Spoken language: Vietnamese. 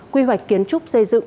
quy hoạch kiến trúc xây dựng